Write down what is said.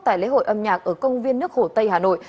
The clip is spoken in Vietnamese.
tại lễ hội âm nhạc ở công viên nước hồ tây hà nội